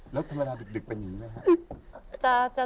แล้วธรรมดาดึกเป็นยังไงนะครับ